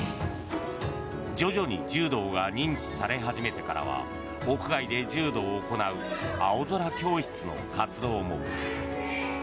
徐々に柔道が認知され始めてからは屋外で柔道を行う青空教室の活動も。